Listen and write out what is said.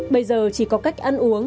bây giờ chỉ có cách ăn uống